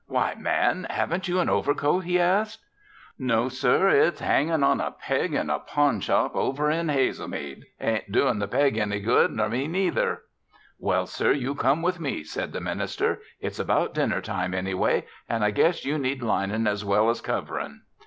"Why, man! Haven't you an overcoat?" he asked. "No, sir! It's hangin' on a peg in a pawn shop over in Hazelmead. It ain't doin' the peg any good nor me neither!" "Well, sir, you come with me," said the minister. "It's about dinner time, anyway, and I guess you need lining as well as covering."